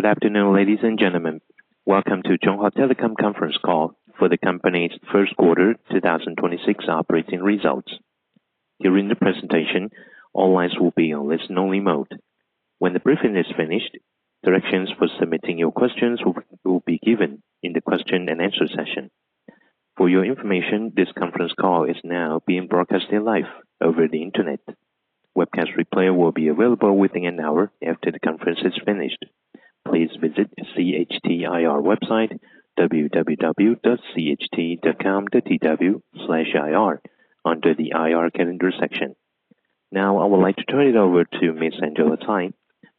Good afternoon, ladies and gentlemen. Welcome to Chunghwa Telecom conference call for the company's first quarter 2026 operating results. During the presentation, all lines will be on listen-only mode. When the briefing is finished, directions for submitting your questions will be given in the question and answer session. For your information, this conference call is now being broadcasted live over the internet. Webcast replay will be available within an hour after the conference is finished. Please visit the CHT IR website, www.cht.com.tw/ir under the IR calendar section. Now, I would like to turn it over to Miss Angela Tsai,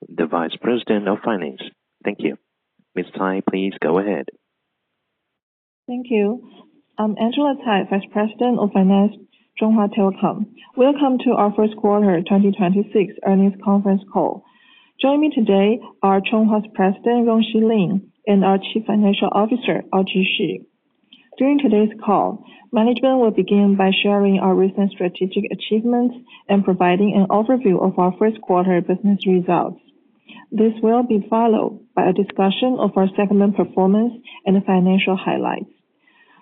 the Vice President of Finance. Thank you. Miss Tsai, please go ahead. Thank you. I'm Angela Tsai, vice president of finance, Chunghwa Telecom. Welcome to our first quarter 2026 earnings conference call. Joining me today are Chunghwa's President, Rong-Shy Lin, and our Chief Financial Officer, Audrey Hsu. During today's call, management will begin by sharing our recent strategic achievements and providing an overview of our first quarter business results. This will be followed by a discussion of our segment performance and financial highlights.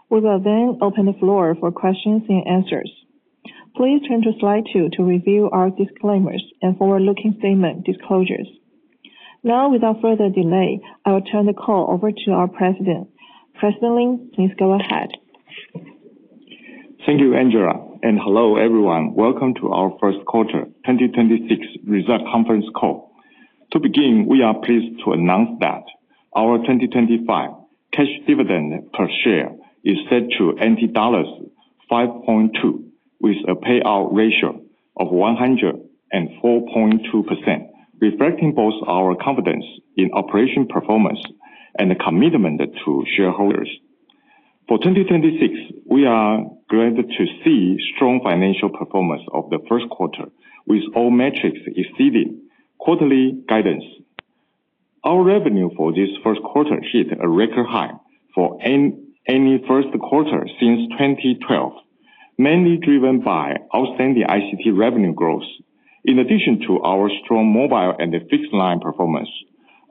We will then open the floor for questions and answers. Please turn to slide two to review our disclaimers and forward-looking statement disclosures. Without further delay, I will turn the call over to our President. President Lin, please go ahead. Thank you, Angela. Hello everyone. Welcome to our first quarter 2026 result conference call. To begin, we are pleased to announce that our 2025 cash dividend per share is set to 5.2, with a payout ratio of 104.2%, reflecting both our confidence in operation performance and a commitment to shareholders. For 2026, we are glad to see strong financial performance of the first quarter with all metrics exceeding quarterly guidance. Our revenue for this first quarter hit a record high for any first quarter since 2012, mainly driven by outstanding ICT revenue growth. In addition to our strong mobile and fixed line performance,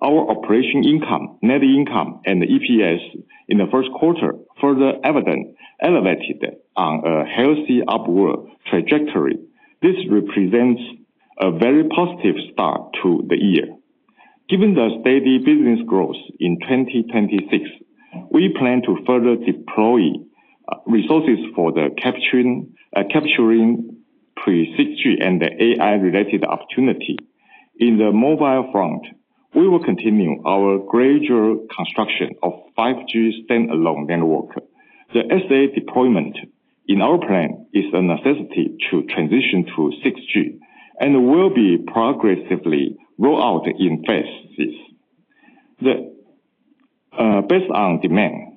our operation income, net income, and EPS in the first quarter further elevated on a healthy upward trajectory. This represents a very positive start to the year. Given the steady business growth in 2026, we plan to further deploy resources for the capturing pre-6G and AI-related opportunity. In the mobile front, we will continue our gradual construction of 5G standalone network. The SA deployment in our plan is a necessity to transition to 6G and will be progressively roll out in phases. Based on demand,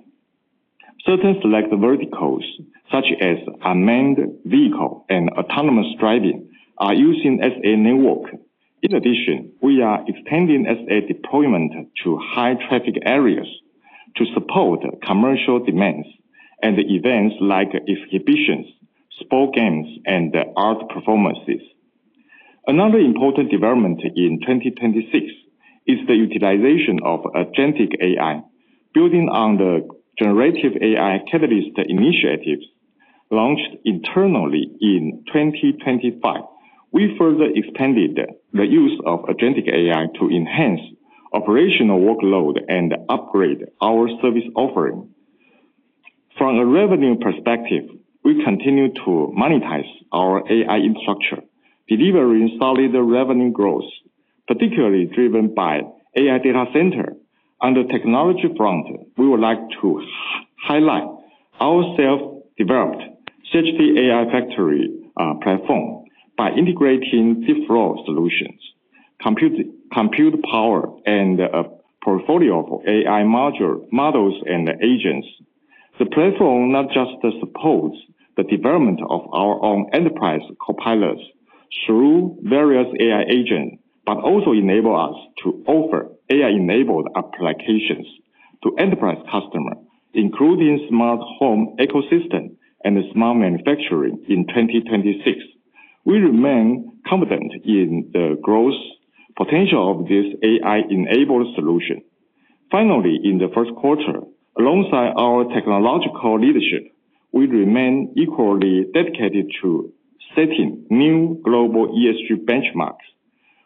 certain select verticals such as unmanned vehicle and autonomous driving are using SA network. In addition, we are expanding SA deployment to high traffic areas to support commercial demands and events like exhibitions, sport games, and art performances. Another important development in 2026 is the utilization of agentic AI. Building on the generative AI catalyst initiatives launched internally in 2025, we further expanded the use of agentic AI to enhance operational workload and upgrade our service offering. From a revenue perspective, we continue to monetize our AI infrastructure, delivering solid revenue growth, particularly driven by AI data center. On the technology front, we would like to highlight our self-developed CHT AI Factory platform by integrating full-stack solutions, compute power, and a portfolio for AI module, models and agents. The platform not just supports the development of our own enterprise copilots through various AI agent, but also enable us to offer AI-enabled applications to enterprise customer, including smart home ecosystem and smart manufacturing in 2026. We remain confident in the growth potential of this AI-enabled solution. Finally, in the first quarter, alongside our technological leadership, we remain equally dedicated to setting new global ESG benchmarks.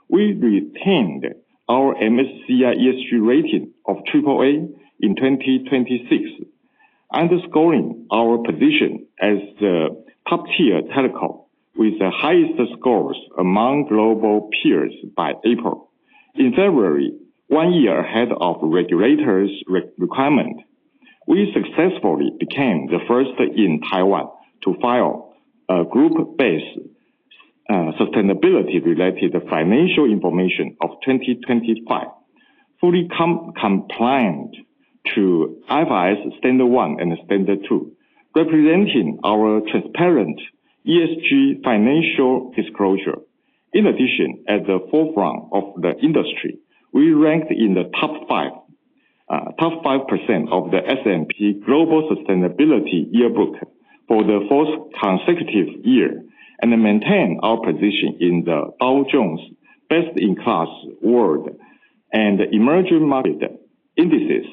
We retained our MSCI ESG rating of AAA in 2026, underscoring our position as the top-tier telecom with the highest scores among global peers by April. In February, one year ahead of regulators re-requirement, we successfully became the first in Taiwan to file a group-based, sustainability-related financial information of 2025, fully compliant to IFRS Standard 1 and Standard 2, representing our transparent ESG financial disclosure. At the forefront of the industry, we ranked in the top 5% of the S&P Global Sustainability Yearbook for the fourth consecutive year, and maintain our position in the Dow Jones Best-in-Class award and emerging market indices.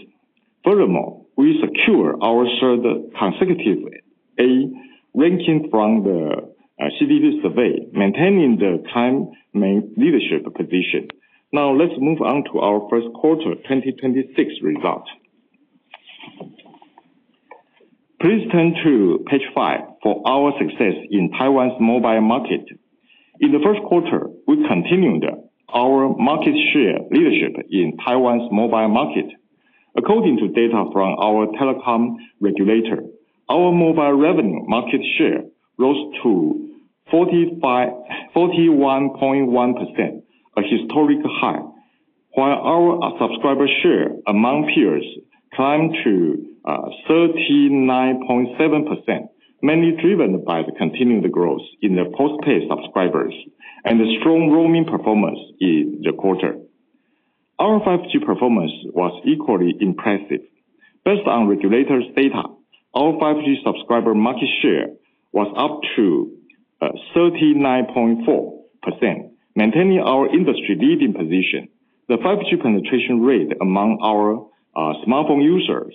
We secure our third consecutive A ranking from the CDP survey, maintaining the Taiwan leadership position. Let's move on to our first quarter 2026 result. Please turn to page five for our success in Taiwan's mobile market. We continued our market share leadership in Taiwan's mobile market. According to data from our telecom regulator, our mobile revenue market share rose to 41.1%, a historic high. While our subscriber share among peers climbed to 39.7%, mainly driven by the continuing growth in the postpaid subscribers and the strong roaming performance in the quarter. Our 5G performance was equally impressive. Based on regulators' data, our 5G subscriber market share was up to 39.4%, maintaining our industry-leading position. The 5G penetration rate among our smartphone users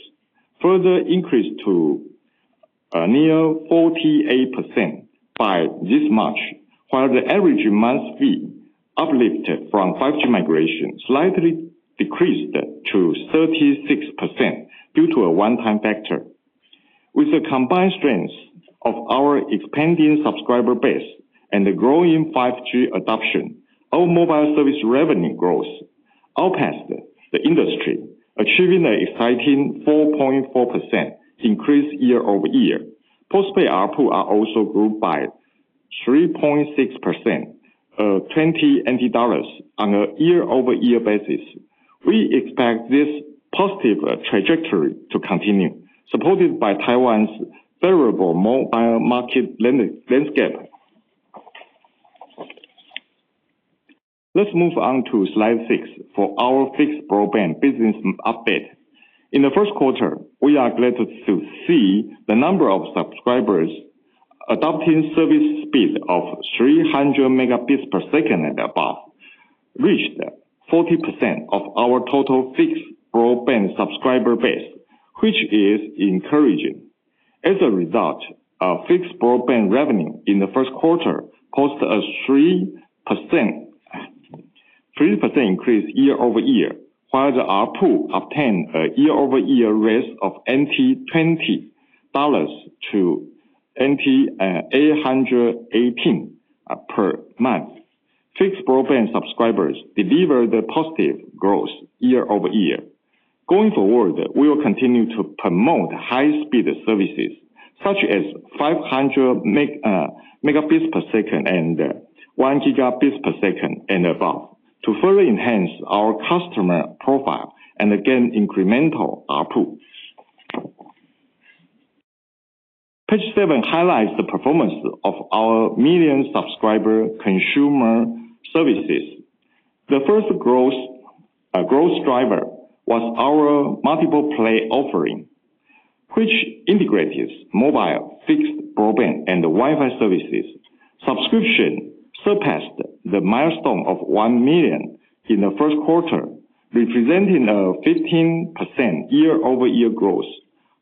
further increased to near 48% by this March, while the average month fee uplifted from 5G migration slightly decreased to 36% due to a one-time factor. With the combined strength of our expanding subscriber base and the growing 5G adoption, our mobile service revenue growth outpaced the industry, achieving an exciting 4.4% increase year-over-year. Postpaid ARPU are also grew by 3.6%, 20 dollars on a year-over-year basis. We expect this positive trajectory to continue, supported by Taiwan's favorable mobile market landscape. Let's move on to slide six for our fixed broadband business update. In the first quarter, we are glad to see the number of subscribers adopting service speed of 300 megabits per second and above reached 40% of our total fixed broadband subscriber base, which is encouraging. As a result, our fixed broadband revenue in the first quarter caused a 3% increase year-over-year, while the ARPU obtained a year-over-year raise of NTD 20 to NTD 818 per month. Fixed broadband subscribers delivered positive growth year-over-year. Going forward, we will continue to promote high-speed services such as 500 Mbps and 1 Gbps, and above to further enhance our customer profile and gain incremental ARPU. Page seven highlights the performance of our million subscriber consumer services. The first growth driver was our multiple play offering, which integrates mobile, fixed broadband, and Wi-Fi services. Subscription surpassed the milestone of 1 million in the first quarter, representing a 15% year-over-year growth.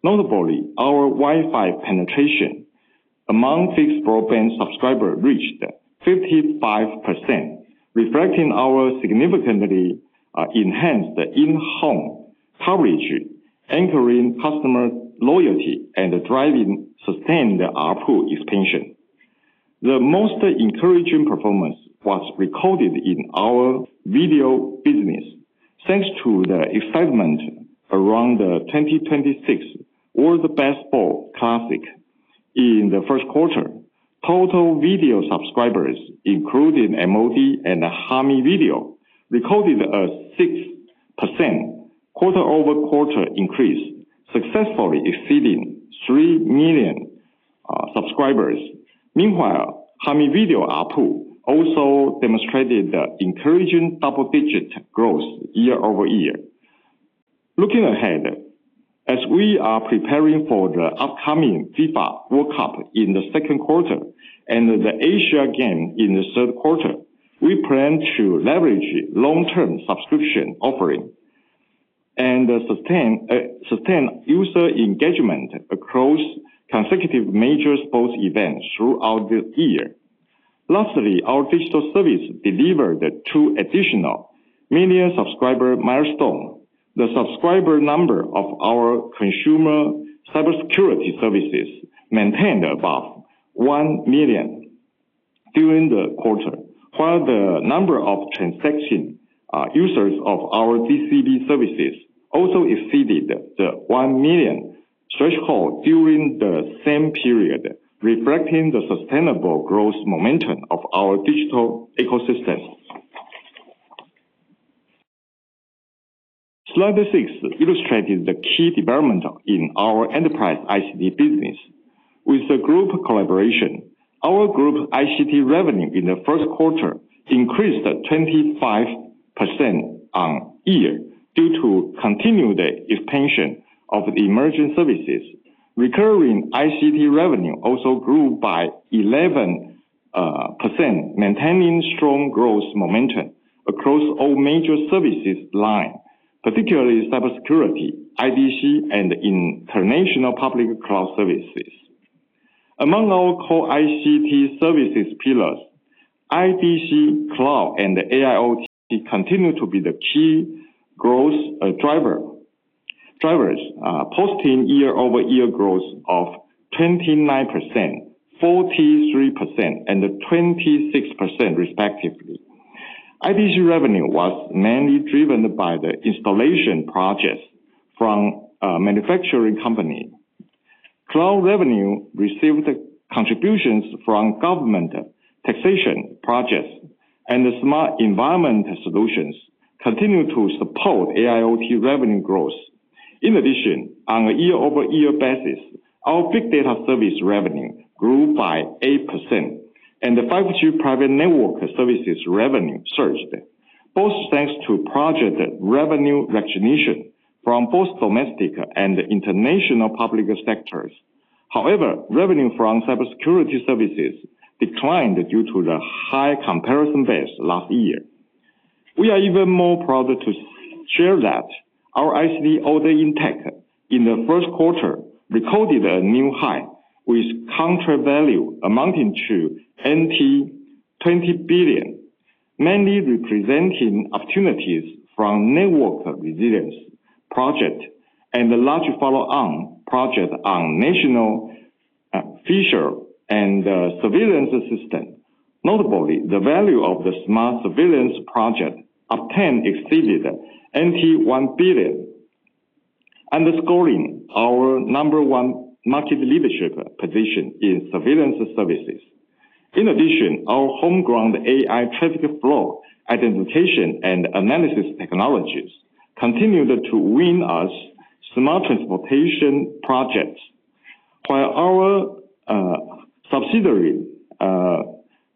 Notably, our Wi-Fi penetration among fixed broadband subscriber reached 55%, reflecting our significantly enhanced in-home coverage, anchoring customer loyalty, and driving sustained ARPU expansion. The most encouraging performance was recorded in our video business. Thanks to the excitement around the 2026 World Baseball Classic. In the first quarter, total video subscribers, including MOD and Hami Video, recorded a 6% quarter-over-quarter increase, successfully exceeding 3 million subscribers. Meanwhile, Hami Video ARPU also demonstrated encouraging double-digit growth year-over-year. Looking ahead, as we are preparing for the upcoming FIFA World Cup in the second quarter and the Asian Games in the third quarter, we plan to leverage long-term subscription offering and sustain user engagement across consecutive major sports events throughout the year. Lastly, our digital service delivered 2 additional million subscriber milestone. The subscriber number of our consumer cybersecurity services maintained above 1 million during the quarter, while the number of transaction users of our DCB services also exceeded the 1 million threshold during the same period, reflecting the sustainable growth momentum of our digital ecosystem. Slide six illustrates the key development in our enterprise ICT business. With the group collaboration, our group's ICT revenue in the first quarter increased 25% on year due to continued expansion of the emerging services. Recurring ICT revenue also grew by 11%, maintaining strong growth momentum across all major services line, particularly cybersecurity, IDC, and international public cloud services. Among our core ICT services pillars, IDC, cloud, and AIoT continue to be the key growth drivers, posting year-over-year growth of 29%, 43%, and 26% respectively. IDC revenue was mainly driven by the installation projects from manufacturing company. Cloud revenue received contributions from government taxation projects, and the smart environment solutions continue to support AIoT revenue growth. In addition, on a year-over-year basis, our big data service revenue grew by 8%, and the 5G private network services revenue surged, both thanks to project revenue recognition from both domestic and international public sectors. However, revenue from cybersecurity services declined due to the high comparison base last year. We are even more proud to share that our ICT order intake in the first quarter recorded a new high with counter value amounting to 20 billion, mainly representing opportunities from network resilience project and the large follow-on project on national fishery and surveillance system. Notably, the value of the smart surveillance project obtained exceeded 1 billion, underscoring our number 1 market leadership position in surveillance services. In addition, our homegrown AI traffic flow identification and analysis technologies continued to win us smart transportation projects, while our subsidiary,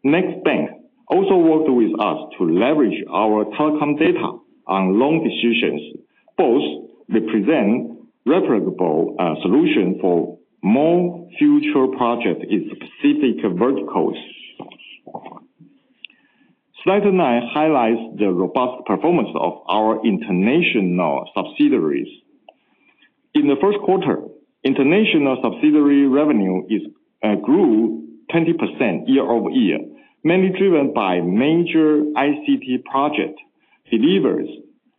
Next Bank also worked with us to leverage our telecom data on loan decisions. Both represent replicable solution for more future projects in specific verticals. Slide nine highlights the robust performance of our international subsidiaries. In the first quarter, international subsidiary revenue grew 20% year-over-year, mainly driven by major ICT project delivers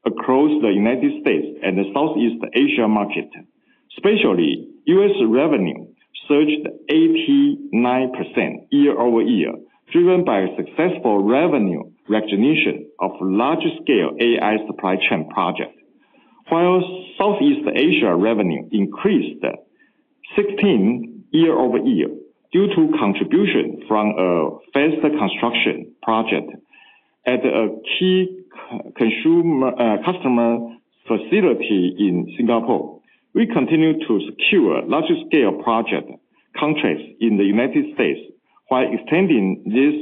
across the U.S. and the Southeast Asia market. Especially, U.S. revenue surged 89% year-over-year, driven by successful revenue recognition of large-scale AI supply chain projects. While Southeast Asia revenue increased 16% year-over-year due to contribution from a phase construction project at a key customer facility in Singapore. We continue to secure large-scale project contracts in the U.S. while extending this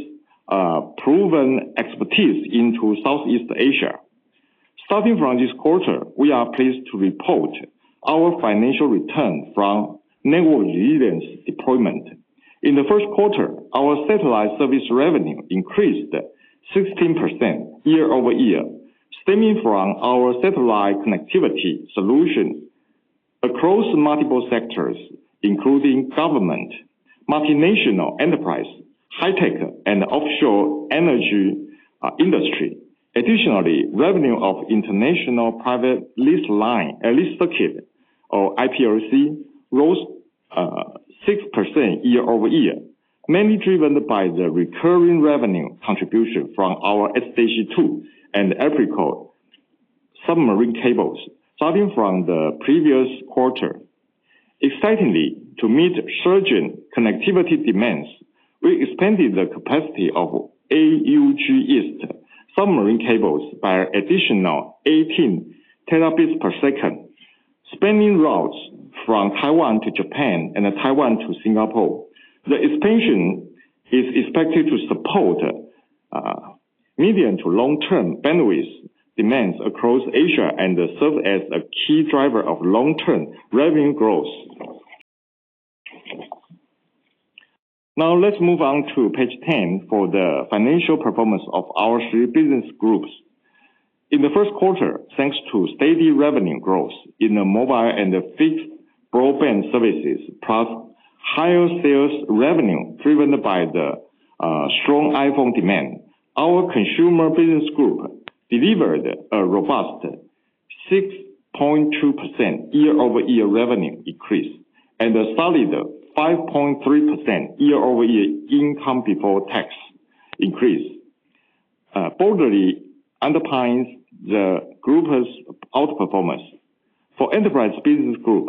proven expertise into Southeast Asia. Starting from this quarter, we are pleased to report our financial return from network resilience deployment. In the first quarter, our satellite service revenue increased 16% year-over-year, stemming from our satellite connectivity solution across multiple sectors, including government, multinational enterprise, high-tech, and offshore energy industry. Additionally, revenue of international private leased line lease circuit or IPLC rose 6% year-over-year, mainly driven by the recurring revenue contribution from our SDH 2 and Africa submarine cables starting from the previous quarter. Excitingly, to meet surging connectivity demands, we expanded the capacity of APCN submarine cables by additional 18 Tb/s, spanning routes from Taiwan to Japan and Taiwan to Singapore. The expansion is expected to support medium to long-term bandwidth demands across Asia and serve as a key driver of long-term revenue growth. Now let's move on to page 10 for the financial performance of our three business groups. In the first quarter, thanks to steady revenue growth in the mobile and fixed broadband services, plus higher sales revenue driven by the strong iPhone demand. Our consumer business group delivered a robust 6.2% year-over-year revenue increase and a solid 5.3% year-over-year income before tax increase, boldly underpins the group's outperformance. For enterprise business group,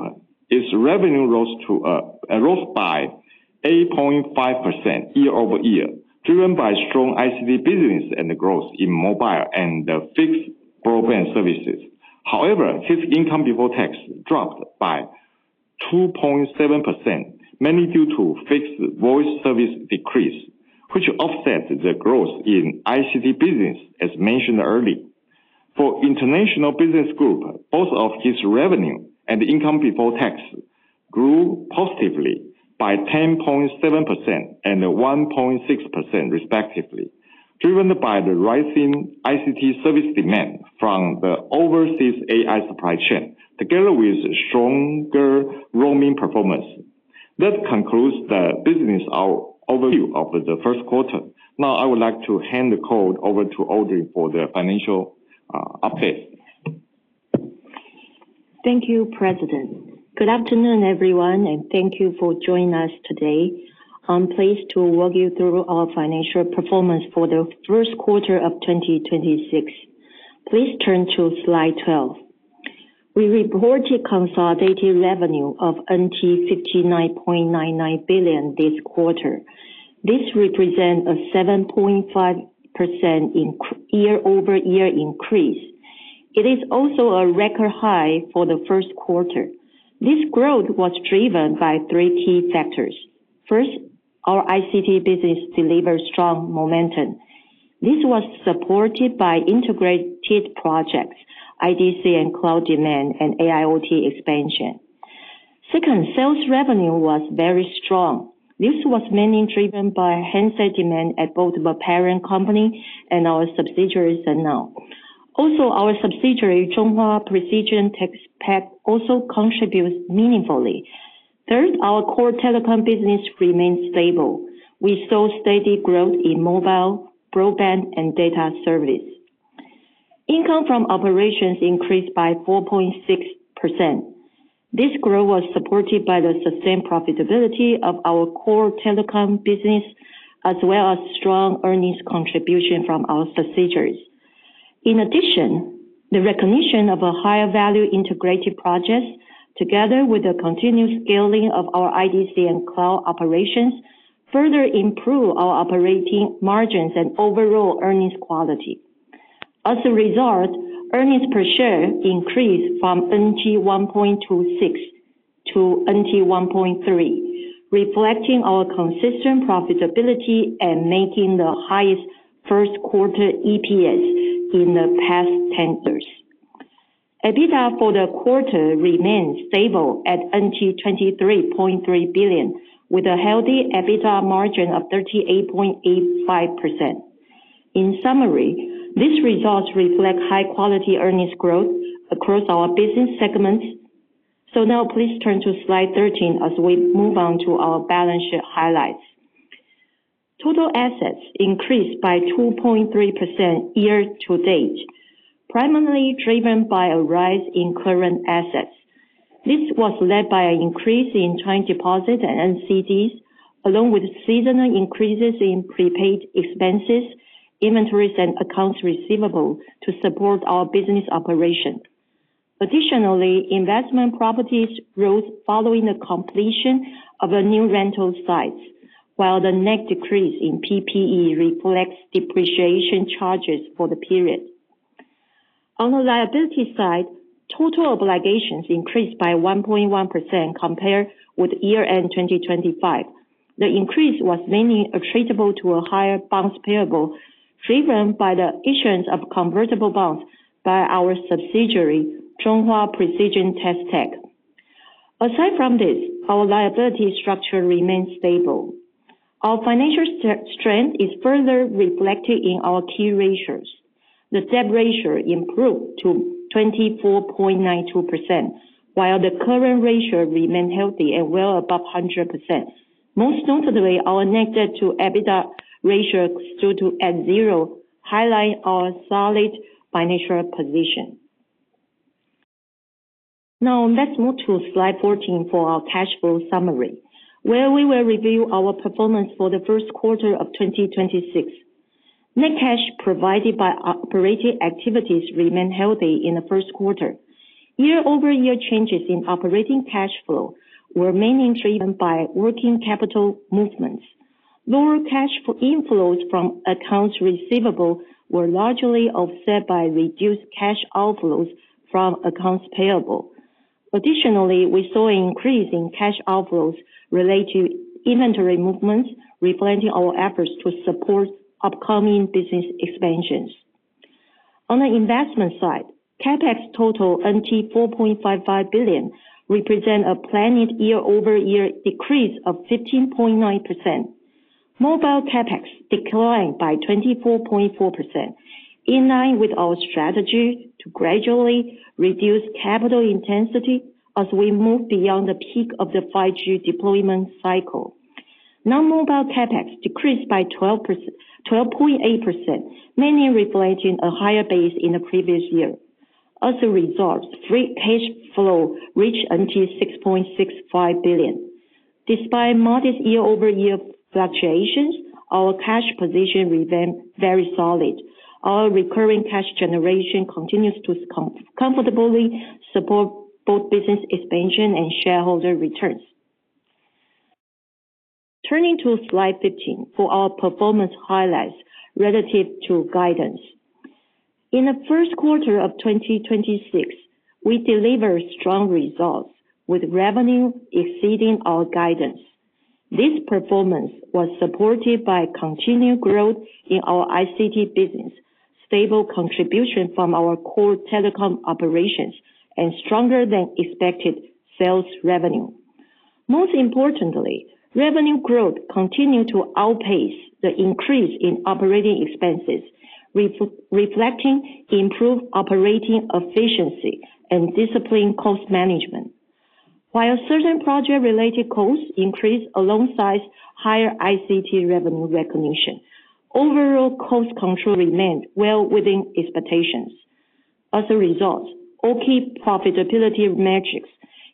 its revenue rose by 8.5% year-over-year, driven by strong ICT business and the growth in mobile and the fixed broadband services. However, his income before tax dropped by 2.7%, mainly due to fixed voice service decrease, which offsets the growth in ICT business as mentioned earlier. For international business group, both of his revenue and income before tax grew positively by 10.7% and 1.6% respectively, driven by the rising ICT service demand from the overseas AI supply chain, together with stronger roaming performance. That concludes the business overview of the first quarter. Now I would like to hand the call over to Audrey for the financial update. Thank you, President. Good afternoon, everyone, and thank you for joining us today. I'm pleased to walk you through our financial performance for the first quarter of 2026. Please turn to slide 12. We reported consolidated revenue of 59.99 billion this quarter. This represent a 7.5% year-over-year increase. It is also a record high for the first quarter. This growth was driven by three key factors. First, our ICT business delivered strong momentum. This was supported by integrated projects, IDC and cloud demand, and AIoT expansion. Second, sales revenue was very strong. This was mainly driven by handset demand at both the parent company and our subsidiaries and now. Also, our subsidiary, Chunghwa Precision Test Tech, also contributes meaningfully. Third, our core telecom business remains stable. We saw steady growth in mobile, broadband, and data service. Income from operations increased by 4.6%. This growth was supported by the sustained profitability of our core telecom business, as well as strong earnings contribution from our subsidiaries. In addition, the recognition of a higher value integrated projects together with the continued scaling of our IDC and cloud operations further improve our operating margins and overall earnings quality. As a result, earnings per share increased from 1.26 to 1.3, reflecting our consistent profitability and making the highest first quarter EPS in the past 10 years. EBITDA for the quarter remained stable at 23.3 billion, with a healthy EBITDA margin of 38.85%. In summary, these results reflect high quality earnings growth across our business segments. Now please turn to slide 13 as we move on to our balance sheet highlights. Total assets increased by 2.3% year-to-date, primarily driven by a rise in current assets. This was led by an increase in time deposit and NCDs, along with seasonal increases in prepaid expenses, inventories, and accounts receivable to support our business operation. Additionally, investment properties rose following the completion of a new rental site, while the net decrease in PPE reflects depreciation charges for the period. On the liability side, total obligations increased by 1.1% compared with year-end 2025. The increase was mainly attributable to a higher bonds payable, driven by the issuance of convertible bonds by our subsidiary, Chunghwa Precision Test Tech. Aside from this, our liability structure remains stable. Our financial strength is further reflected in our key ratios. The debt ratio improved to 24.92%, while the current ratio remained healthy and well above 100%. Most notably, our net debt to EBITDA ratio stood at zero, highlight our solid financial position. Now let's move to slide 14 for our cash flow summary, where we will review our performance for the first quarter of 2026. Net cash provided by operating activities remained healthy in the first quarter. Year-over-year changes in operating cash flow were mainly driven by working capital movements. Lower cash inflows from accounts receivable were largely offset by reduced cash outflows from accounts payable. Additionally, we saw an increase in cash outflows related to inventory movements, reflecting our efforts to support upcoming business expansions. On the investment side, CapEx total 4.55 billion represent a planned year-over-year decrease of 15.9%. Mobile CapEx declined by 24.4%, in line with our strategy to gradually reduce capital intensity as we move beyond the peak of the 5G deployment cycle. Non-mobile CapEx decreased by 12.8%, mainly reflecting a higher base in the previous year. As a result, free cash flow reached 6.65 billion. Despite modest year-over-year fluctuations, our cash position remained very solid. Our recurring cash generation continues to comfortably support Both business expansion and shareholder returns. Turning to slide 15 for our performance highlights relative to guidance. In the 1st quarter of 2026, we delivered strong results with revenue exceeding our guidance. This performance was supported by continued growth in our ICT business, stable contribution from our core telecom operations, and stronger than expected sales revenue. Most importantly, revenue growth continued to outpace the increase in operating expenses, reflecting improved operating efficiency and disciplined cost management. While certain project-related costs increased alongside higher ICT revenue recognition, overall cost control remained well within expectations. As a result, all key profitability metrics,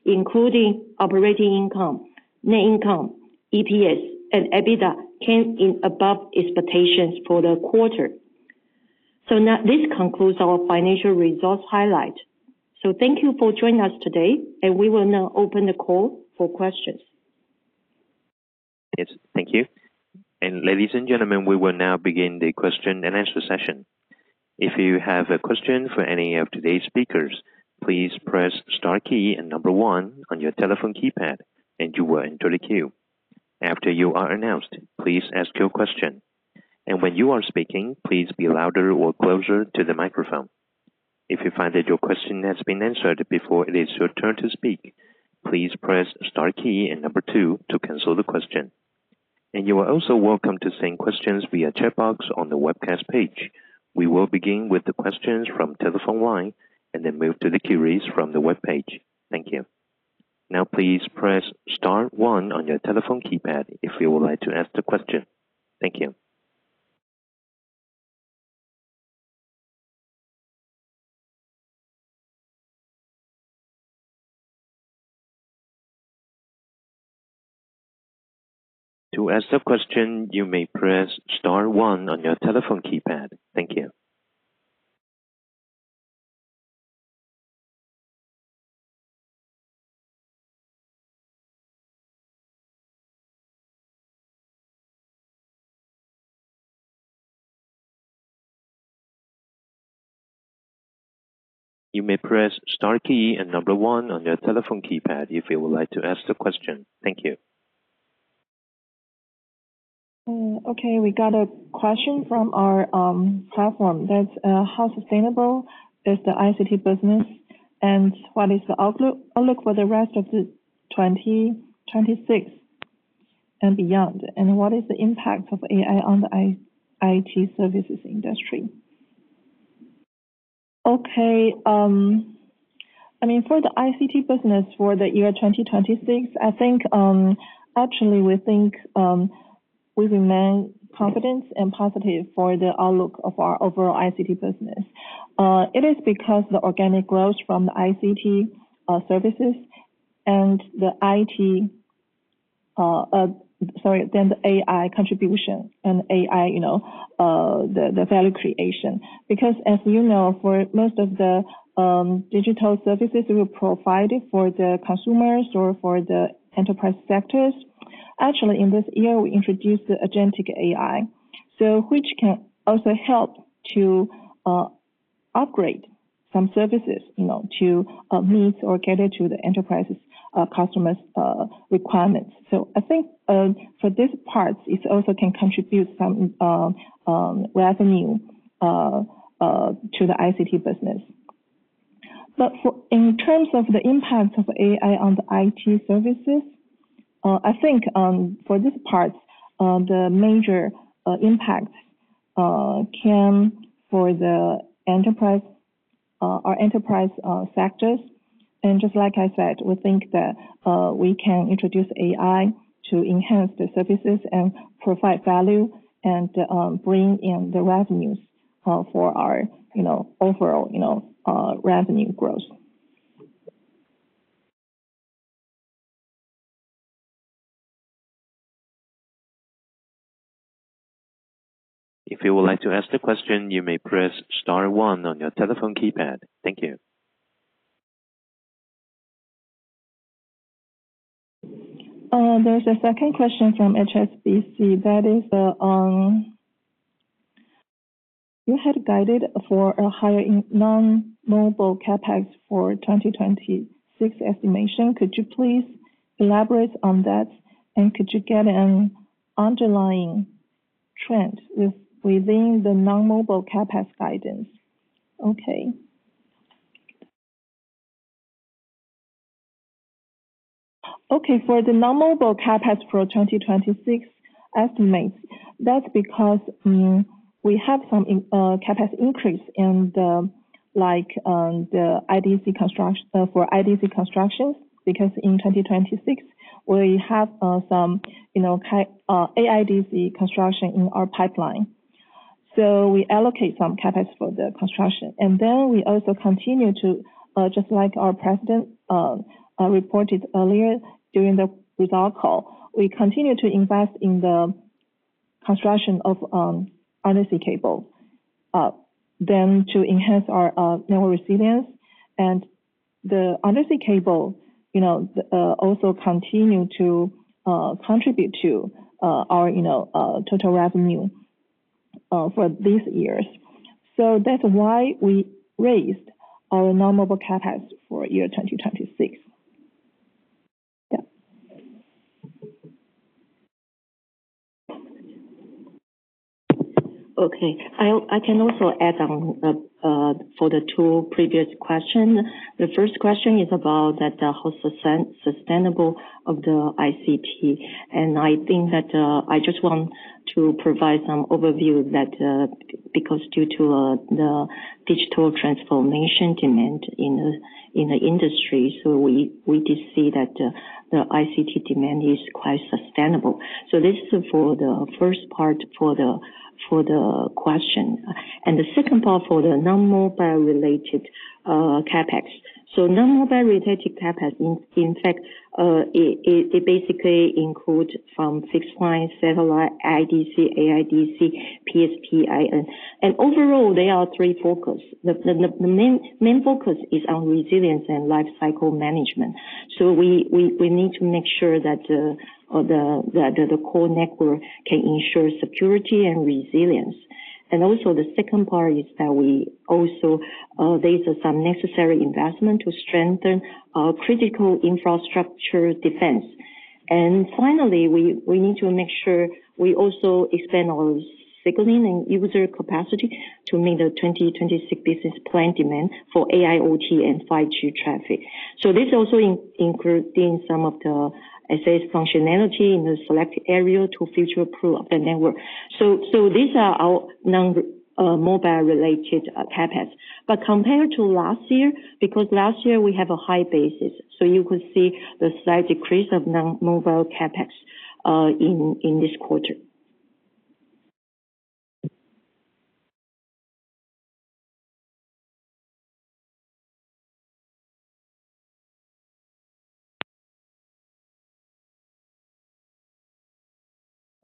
including operating income, net income, EPS, and EBITDA, came in above expectations for the quarter. This concludes our financial results highlight. Thank you for joining us today, and we will now open the call for questions. Yes, thank you. Ladies and gentlemen, we will now begin the question and answer session. If you have a question for any of today's speakers, please press star key and one on your telephone keypad, and you will enter the queue. After you are announced, please ask your question. When you are speaking, please be louder or closer to the microphone. If you find that your question has been answered before it is your turn to speak, please press star key and two to cancel the question. You are also welcome to send questions via chat box on the webcast page. We will begin with the questions from telephone line and then move to the queries from the webpage. Thank you. Now please press star one on your telephone keypad if you would like to ask the question. Thank you. To ask a question, you may press star one on your telephone keypad. Thank you. You may press star key and number one on your telephone keypad if you would like to ask the question. Thank you. Okay, we got a question from our platform. That's, how sustainable is the ICT business? What is the outlook for the rest of the 2026 and beyond? What is the impact of AI on the IT services industry? Okay. I mean, for the ICT business for the year 2026, I think, actually, we think, we remain confident and positive for the outlook of our overall ICT business. It is because the organic growth from the ICT services and the IT, sorry, then the AI contribution and AI, you know, the value creation. As you know, for most of the digital services we provide for the consumers or for the enterprise sectors, actually, in this year, we introduced the agentic AI, which can also help to upgrade some services, you know, to meet or cater to the enterprise's customers' requirements. I think, for this part, it also can contribute some revenue to the ICT business. In terms of the impact of AI on the IT services, I think, for this part, the major impact came for the enterprise or enterprise sectors. Just like I said, we think that we can introduce AI to enhance the services and provide value and bring in the revenues for our, you know, overall, you know, revenue growth. If you would like to ask the question, you may press star one on your telephone keypad. Thank you. There's a second question from HSBC. You had guided for a higher in non-mobile CapEx for 2026 estimation. Could you please elaborate on that? Could you get an underlying trend within the non-mobile CapEx guidance? For the non-mobile CapEx for 2026 estimates, that's because we have some CapEx increase in the IDC construction for IDC constructions. In 2026, we have some AIDC construction in our pipeline. We allocate some CapEx for the construction. We also continue to, just like our President reported earlier during the result call, we continue to invest in the construction of undersea cable to enhance our network resilience. The undersea cable, you know, also continue to contribute to our, you know, total revenue for these years. That's why we raised our non-mobile CapEx for year 2026. Yeah. Okay. I can also add on for the two previous question. The first question is about that the whole sustainable of the ICT. I think that I just want to provide some overview that because due to the digital transformation demand in the industry, we did see that the ICT demand is quite sustainable. This is for the first part for the question. The second part for the non-mobile related CapEx. Non-mobile related CapEx in fact, it basically include from fixed line, satellite, IDC, AIDC, PSP, IN. Overall, there are three focus. The main focus is on resilience and lifecycle management. We need to make sure that the core network can ensure security and resilience. The second part is that we also, there is some necessary investment to strengthen critical infrastructure defense. Finally, we need to make sure we also expand our signaling and user capacity to meet the 2026 business plan demand for AIoT and 5G traffic. This also include in some of the, I say, functionality in the select area to future-proof the network. These are our non mobile related CapEx. Compared to last year, because last year we have a high basis, you could see the slight decrease of non-mobile CapEx in this quarter.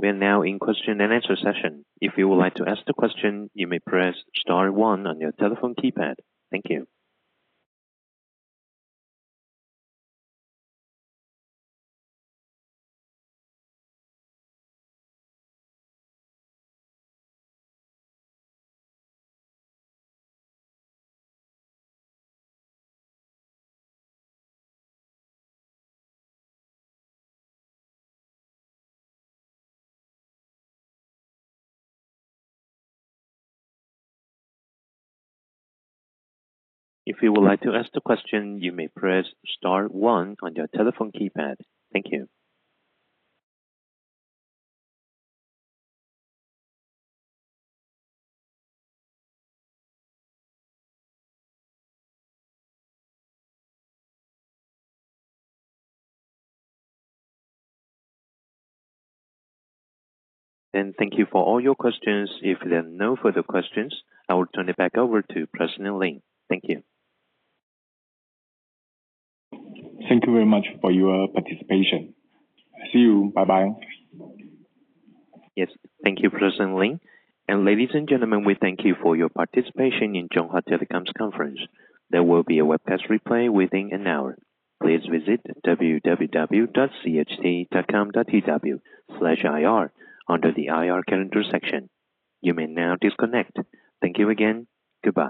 We are now in question and answer session. If you would like to ask the question, you may press star one on your telephone keypad. Thank you. If you would like to ask the question, you may press star one on your telephone keypad. Thank you. Thank you for all your questions. If there are no further questions, I will turn it back over to President Lin. Thank you. Thank you very much for your participation. See you. Bye-bye. Yes. Thank you, President Lin. Ladies and gentlemen, we thank you for your participation in Chunghwa Telecom's conference. There will be a webcast replay within an hour. Please visit www.cht.com.tw/ir under the IR Calendar section. You may now disconnect. Thank you again. Goodbye.